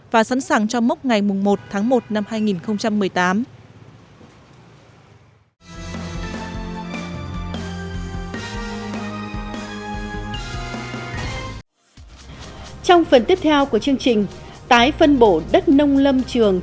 và sẵn sàng cho mốc ngày một tháng một năm hai nghìn một mươi tám